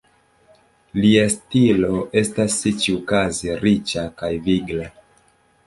Lia stilo estas, ĉiukaze, riĉa kaj vigla.